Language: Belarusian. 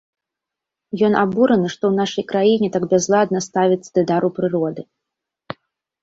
Ён абураны, што ў нашай краіне так бязладна ставяцца да дару прыроды.